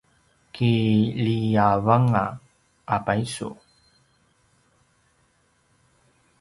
kiliavanga a paysu